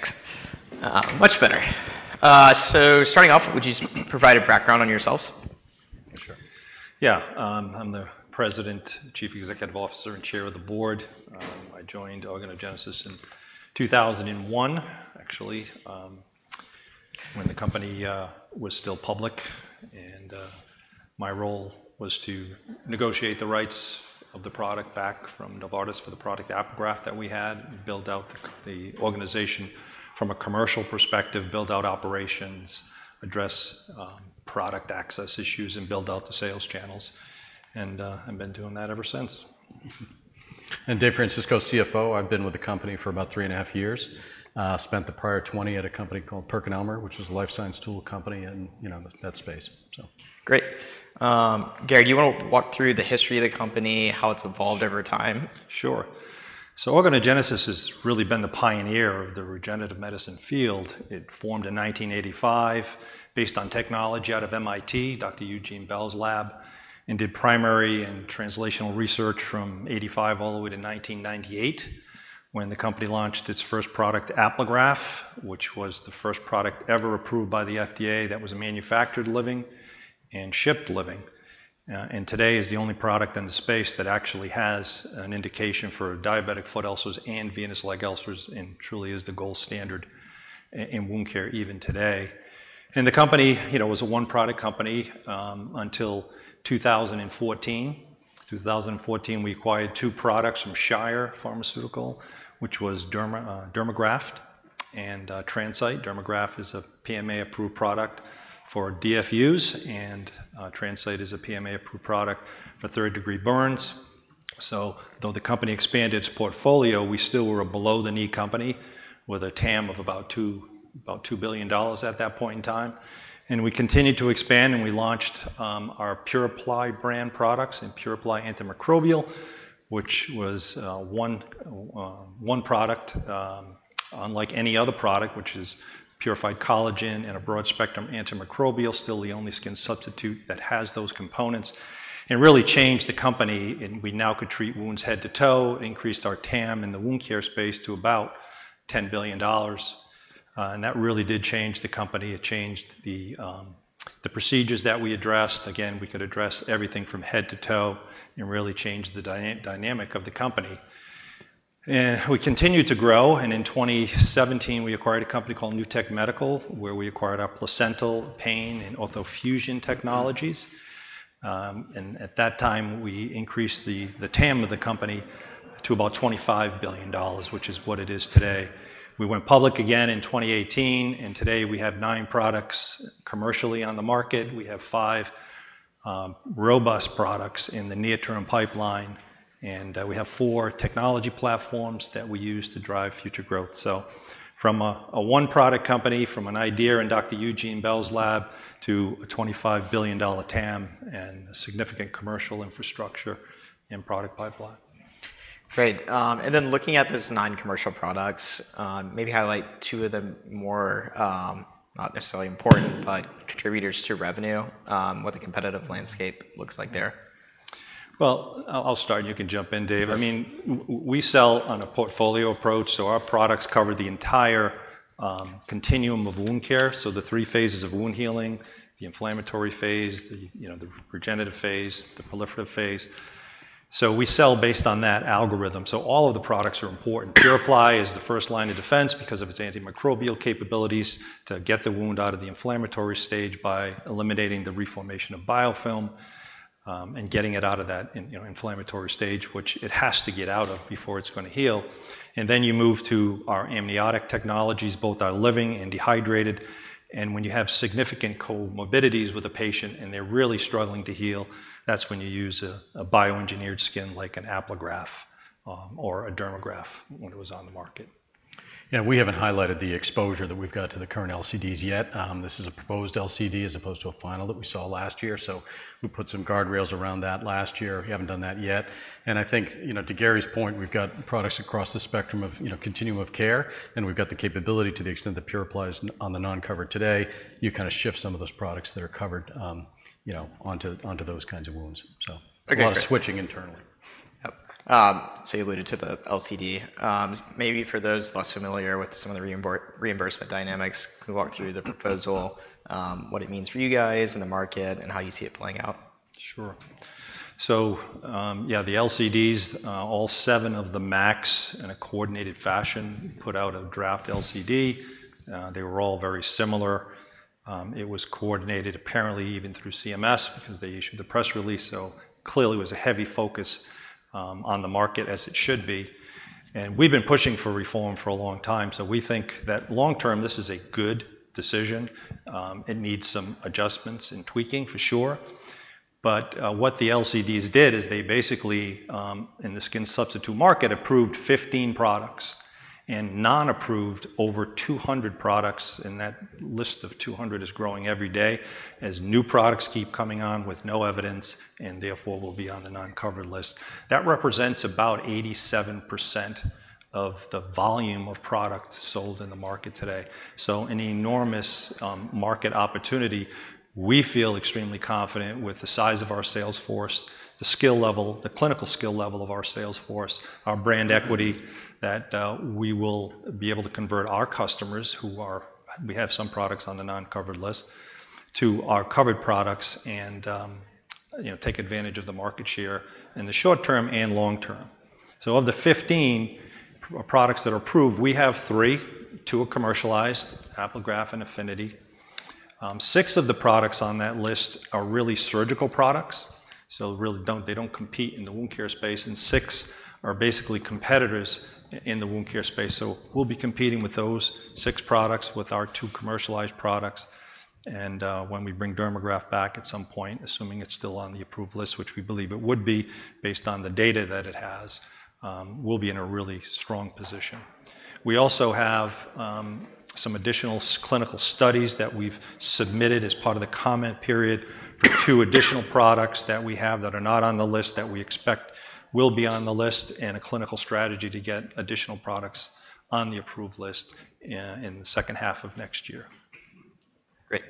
Thanks. Much better, so starting off, would you provide a background on yourselves? Sure. Yeah, I'm the President, Chief Executive Officer, and Chair of the Board. I joined Organogenesis in 2001, actually, when the company was still public, and my role was to negotiate the rights of the product back from Novartis for the product Apligraf that we had, and build out the organization from a commercial perspective, build out operations, address product access issues, and build out the sales channels, and I've been doing that ever since. David Francisco, CFO. I've been with the company for about three and a half years. Spent the prior 20 at a company called PerkinElmer, which was a life science tool company in, you know, that space, so. Great. Gary, you wanna walk through the history of the company, how it's evolved over time? Sure. So Organogenesis has really been the pioneer of the regenerative medicine field. It formed in 1985, based on technology out of MIT, Dr. Eugene Bell's lab, and did primary and translational research from '85 all the way to 1998, when the company launched its first product, Apligraf, which was the first product ever approved by the FDA that was manufactured living and shipped living. And today is the only product in the space that actually has an indication for diabetic foot ulcers and venous leg ulcers, and truly is the gold standard in wound care, even today. And the company, you know, was a one-product company until 2014. 2014, we acquired two products from Shire Pharmaceuticals, which was Dermagraft and TransCyte. Dermagraft is a PMA-approved product for DFUs, and TransCyte is a PMA-approved product for third-degree burns. So though the company expanded its portfolio, we still were a below-the-knee company with a TAM of about $2 billion at that point in time, and we continued to expand, and we launched our PuraPly brand products and PuraPly Antimicrobial, which was one product unlike any other product, which is purified collagen and a broad-spectrum antimicrobial, still the only skin substitute that has those components, and really changed the company, and we now could treat wounds head to toe, increased our TAM in the wound care space to about $10 billion. And that really did change the company. It changed the procedures that we addressed. Again, we could address everything from head to toe and really changed the dynamic of the company. And we continued to grow, and in 2017, we acquired a company called NuTech Medical, where we acquired our placental, pain, and ortho fusion technologies. And at that time, we increased the TAM of the company to about $25 billion, which is what it is today. We went public again in 2018, and today we have nine products commercially on the market. We have five robust products in the near-term pipeline, and we have four technology platforms that we use to drive future growth. So from a one-product company, from an idea in Dr. Eugene Bell's lab, to a $25 billion TAM and a significant commercial infrastructure and product pipeline. Great. And then looking at those nine commercial products, maybe highlight two of the more, not necessarily important, but contributors to revenue, what the competitive landscape looks like there. I'll start, and you can jump in, Dave. Sure. I mean, we sell on a portfolio approach, so our products cover the entire continuum of wound care, so the three phases of wound healing: the inflammatory phase, you know, the regenerative phase, the proliferative phase. So we sell based on that algorithm. So all of the products are important. PuraPly is the first line of defense because of its antimicrobial capabilities to get the wound out of the inflammatory stage by eliminating the reformation of biofilm, and getting it out of that inflammatory stage, you know, which it has to get out of before it's going to heal. And then you move to our amniotic technologies, both our living and dehydrated, and when you have significant comorbidities with a patient, and they're really struggling to heal, that's when you use a bioengineered skin, like an Apligraf, or a Dermagraft when it was on the market. Yeah, we haven't highlighted the exposure that we've got to the current LCDs yet. This is a proposed LCD as opposed to a final that we saw last year, so we put some guardrails around that last year. We haven't done that yet, and I think, you know, to Gary's point, we've got products across the spectrum of, you know, continuum of care, and we've got the capability to the extent that PuraPly is on the non-covered today, you kind of shift some of those products that are covered, you know, onto those kinds of wounds. So- Okay. A lot of switching internally. Yep, so you alluded to the LCD. Maybe for those less familiar with some of the reimbursement dynamics, can you walk through the proposal, what it means for you guys and the market, and how you see it playing out? Sure. So, the LCDs, all seven of the MACs in a coordinated fashion, put out a draft LCD. They were all very similar. It was coordinated, apparently even through CMS, because they issued the press release, so clearly it was a heavy focus on the market, as it should be. And we've been pushing for reform for a long time, so we think that long term, this is a good decision. It needs some adjustments and tweaking, for sure. But, what the LCDs did is they basically in the skin substitute market, approved fifteen products and non-approved over two hundred products, and that list of two hundred is growing every day as new products keep coming on with no evidence, and therefore, will be on the non-covered list. That represents about 87% of the volume of product sold in the market today, so an enormous market opportunity. We feel extremely confident with the size of our sales force, the skill level, the clinical skill level of our sales force, our brand equity, that we will be able to convert our customers who are... We have some products on the non-covered list, to our covered products and, you know, take advantage of the market share in the short term and long term. So of the 15 products that are approved, we have three. Two are commercialized, Apligraf and Affinity. Six of the products on that list are really surgical products, so they don't compete in the wound care space, and six are basically competitors in the wound care space. So we'll be competing with those six products with our two commercialized products, and when we bring Dermagraft back at some point, assuming it's still on the approved list, which we believe it would be, based on the data that it has, we'll be in a really strong position. We also have some additional clinical studies that we've submitted as part of the comment period for two additional products that we have that are not on the list, that we expect will be on the list, and a clinical strategy to get additional products on the approved list in the second half of next year. Great.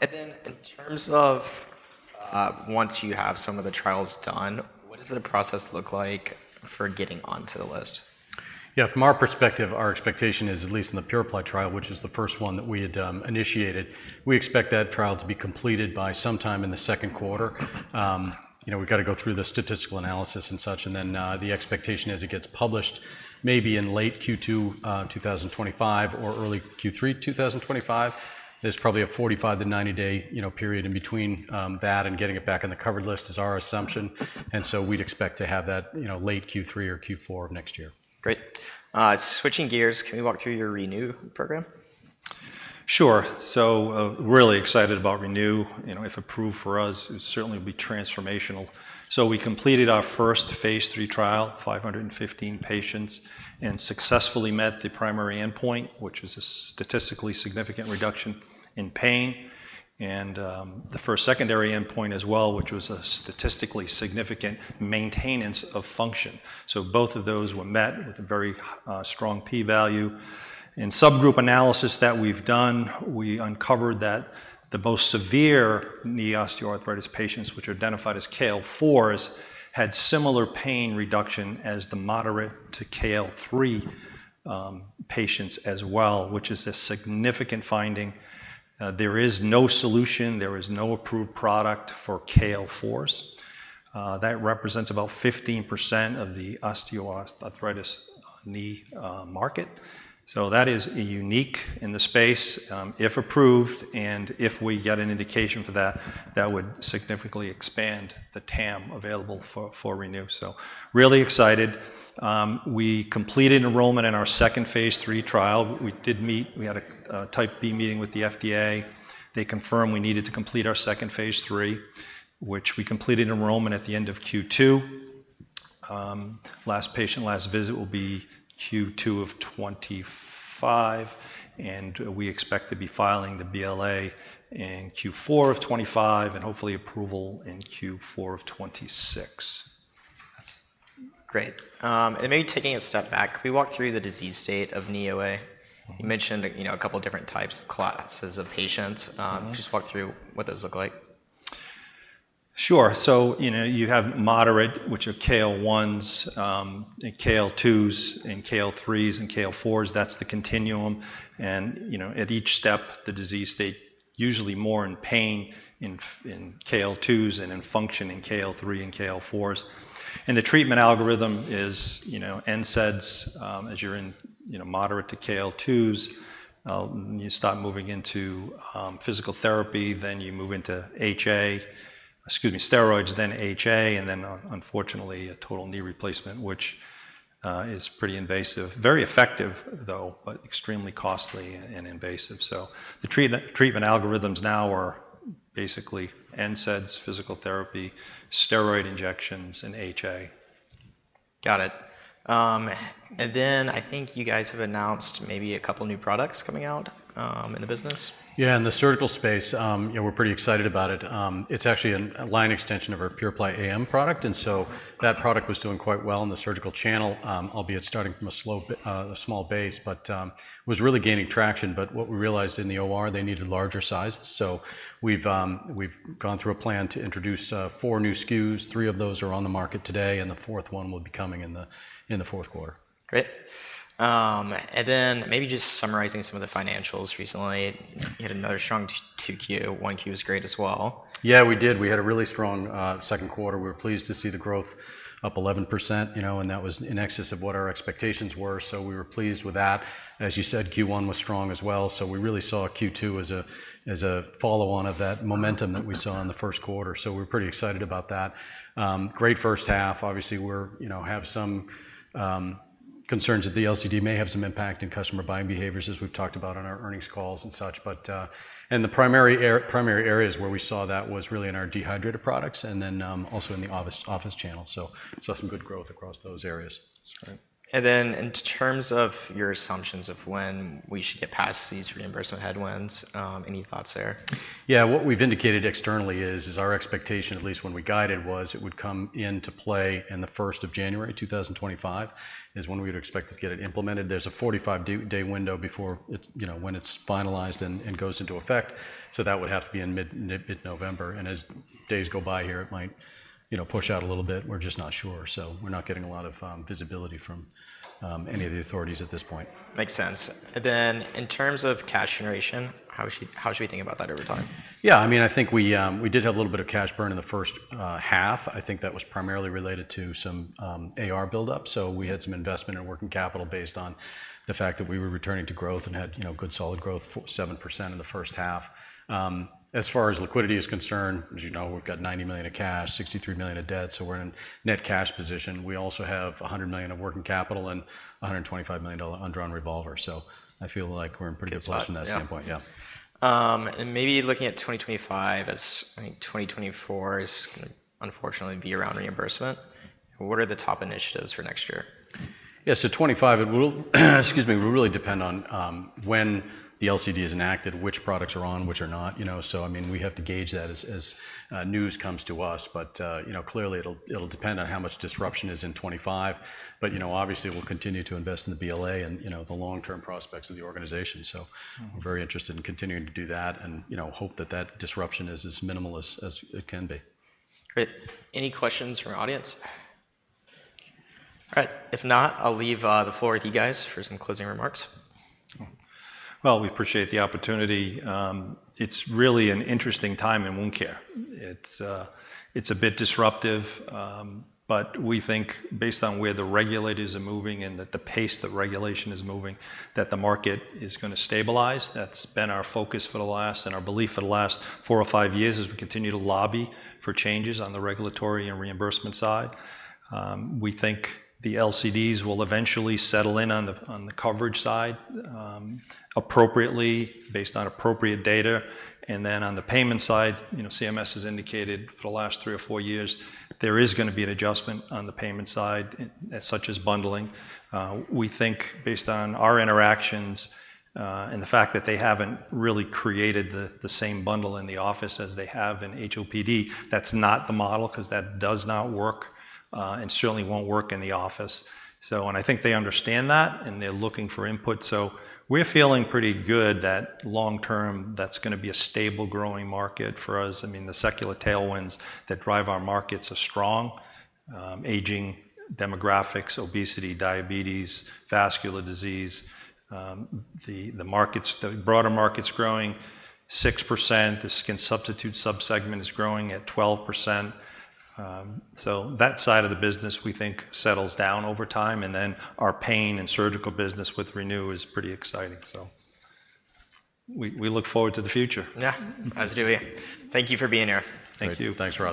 And then in terms of, once you have some of the trials done, what does the process look like for getting onto the list? Yeah, from our perspective, our expectation is, at least in the PuraPly trial, which is the first one that we had initiated, we expect that trial to be completed by sometime in the second quarter. You know, we've got to go through the statistical analysis and such, and then, the expectation is it gets published maybe in late Q2, 2025, or early Q3 2025. There's probably a 45-90-day, you know, period in between, that and getting it back on the covered list, is our assumption. And so we'd expect to have that, you know, late Q3 or Q4 of next year. Great. Switching gears, can you walk through your ReNu program? Sure. So, really excited about ReNu. You know, if approved, for us, it certainly will be transformational. So we completed our first phase III trial, 515 patients, and successfully met the primary endpoint, which is a statistically significant reduction in pain, and the first secondary endpoint as well, which was a statistically significant maintenance of function. So both of those were met with a very strong p-value. In subgroup analysis that we've done, we uncovered that the most severe knee osteoarthritis patients, which are identified as KL4s, had similar pain reduction as the moderate to KL3 patients as well, which is a significant finding. There is no solution, there is no approved product for KL4s. That represents about 15% of the osteoarthritis knee market. So that is unique in the space. If approved, and if we get an indication for that, that would significantly expand the TAM available for ReNu. So really excited. We completed enrollment in our second phase III trial. We had a Type B meeting with the FDA. They confirmed we needed to complete our second phase III, which we completed enrollment at the end of Q2. Last patient last visit will be Q2 of 2025, and we expect to be filing the BLA in Q4 of 2025, and hopefully approval in Q4 of 2026. That's great. And maybe taking a step back, can we walk through the disease state of knee OA? Mm-hmm. You mentioned, you know, a couple different types of classes of patients. Mm-hmm. Just walk through what those look like. Sure. So, you know, you have moderate, which are KL1's, and KL2's, and KL3's, and KL4's. That's the continuum. And, you know, at each step, the disease state usually more pain in KL2's, and in function in KL3 and KL4's. And the treatment algorithm is, you know, NSAIDs, as you're in, you know, moderate to KL2's. You start moving into physical therapy, then you move into HA. Excuse me, steroids, then HA, and then unfortunately, a total knee replacement, which is pretty invasive. Very effective, though, but extremely costly and invasive. So the treatment algorithms now are basically NSAIDs, physical therapy, steroid injections, and HA. Got it, and then I think you guys have announced maybe a couple new products coming out, in the business? Yeah, in the surgical space. You know, we're pretty excited about it. It's actually a line extension of our PuraPly AM product, and so that product was doing quite well in the surgical channel. Albeit starting from a small base, but it was really gaining traction. But what we realized in the OR, they needed larger sizes. So we've gone through a plan to introduce four new SKUs. Three of those are on the market today, and the fourth one will be coming in the fourth quarter. Great. And then maybe just summarizing some of the financials. Recently, you had another strong Q2. Q1 was great as well. Yeah, we did. We had a really strong second quarter. We were pleased to see the growth up 11%, you know, and that was in excess of what our expectations were. So we were pleased with that. As you said, Q1 was strong as well, so we really saw Q2 as a follow-on of that momentum that we saw in the first quarter. So we're pretty excited about that. Great first half. Obviously, you know, have some concerns that the LCD may have some impact in customer buying behaviors, as we've talked about on our earnings calls and such. But, and the primary areas where we saw that was really in our dehydrated products and then also in the office channel. So saw some good growth across those areas.... Sure. And then in terms of your assumptions of when we should get past these reimbursement headwinds, any thoughts there? Yeah, what we've indicated externally is our expectation, at least when we guided, was it would come into play in the 1st of January 2025, is when we would expect to get it implemented. There's a forty-five day window before it's, you know, when it's finalized and goes into effect, so that would have to be in mid-November. And as days go by here, it might, you know, push out a little bit. We're just not sure, so we're not getting a lot of visibility from any of the authorities at this point. Makes sense. And then in terms of cash generation, how should we think about that over time? Yeah, I mean, I think we did have a little bit of cash burn in the first half. I think that was primarily related to some AR buildup. So we had some investment in working capital based on the fact that we were returning to growth and had, you know, good solid growth, 57% in the first half. As far as liquidity is concerned, as you know, we've got $90 million of cash, $63 million of debt, so we're in net cash position. We also have 100 million of working capital and a $125 million undrawn revolver, so I feel like we're in pretty good- Good spot... from that standpoint. Yeah. And maybe looking at 2025 as, I think 2024 is gonna unfortunately be around reimbursement, what are the top initiatives for next year? Yeah, so 2025, it will, excuse me, will really depend on when the LCD is enacted, which products are on, which are not, you know. So, I mean, we have to gauge that as news comes to us. But, you know, clearly it'll depend on how much disruption is in 2025. But, you know, obviously, we'll continue to invest in the BLA and the long-term prospects of the organization. So- Mm-hmm. We're very interested in continuing to do that and, you know, hope that that disruption is as minimal as it can be. Great. Any questions from our audience? All right, if not, I'll leave the floor with you guys for some closing remarks. We appreciate the opportunity. It's really an interesting time in wound care. It's a bit disruptive, but we think based on where the regulators are moving and that the pace that regulation is moving, that the market is gonna stabilize. That's been our focus and our belief for the last four or five years as we continue to lobby for changes on the regulatory and reimbursement side. We think the LCDs will eventually settle in on the coverage side, appropriately, based on appropriate data. Then on the payment side, you know, CMS has indicated for the last three or four years, there is gonna be an adjustment on the payment side, such as bundling. We think based on our interactions, and the fact that they haven't really created the same bundle in the office as they have in HOPD, that's not the model, 'cause that does not work, and certainly won't work in the office. So and I think they understand that, and they're looking for input. So we're feeling pretty good that long term, that's gonna be a stable, growing market for us. I mean, the secular tailwinds that drive our markets are strong. Aging demographics, obesity, diabetes, vascular disease, the markets, the broader market's growing 6%. The skin substitute subsegment is growing at 12%. So that side of the business, we think, settles down over time, and then our pain and surgical business with ReNu is pretty exciting, so we look forward to the future. Yeah, as do we. Thank you for being here. Thank you. Thanks, Russell.